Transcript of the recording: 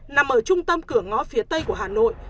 nằm ở trung tâm cửa ngõ phía tây của hà nội